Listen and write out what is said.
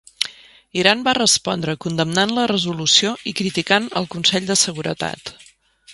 Iran va respondre condemnant la resolució i criticant al Consell de Seguretat.